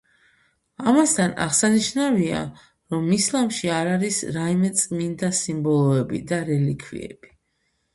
ამასთან, აღსანიშნავია, რომ ისლამში არ არის რაიმე წმინდა სიმბოლოები და რელიქვიები.